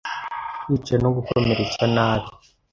Kwica no gukomeretsa nabi